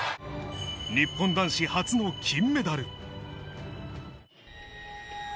日本男子初の金メダル。